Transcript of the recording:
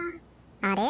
あれ？